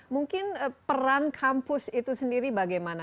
mungkin peran kampus itu sendiri bagaimana